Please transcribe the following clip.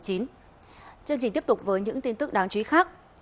chương trình tiếp tục với những tin tức đáng chú ý khác